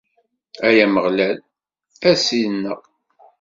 Ay Ameɣlal, a Ssid-nneɣ.